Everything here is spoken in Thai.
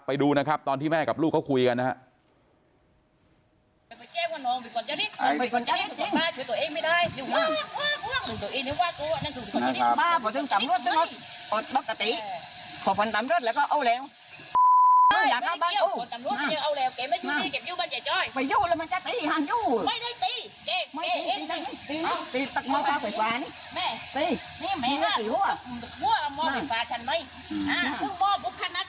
ไปดูนะครับตอนที่แม่กับลูกเขาคุยกันนะครับ